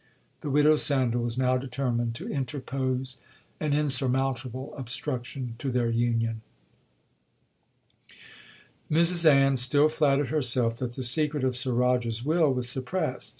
The widow Sandal was now determined to interpose an insurmountable obstruction to their union. 'Mrs Ann still flattered herself that the secret of Sir Roger's will was suppressed.